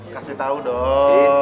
kasih tau dong